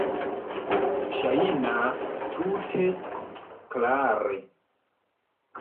Ŝajnas tute klare.